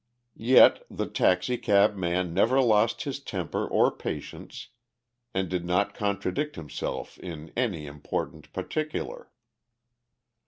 Yet the taxicab man never lost his temper or patience, and did not contradict himself in any important particular.